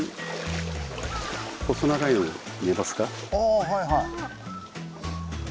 あはいはい。